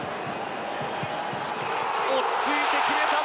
落ち着いて決めた！